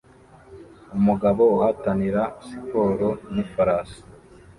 Umugabo uhatanira siporo nifarasi